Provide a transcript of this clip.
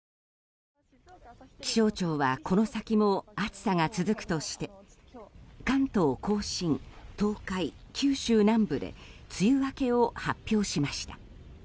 気象庁はこの先も暑さが続くとして関東・甲信、東海、九州南部で梅雨明けを発表しました。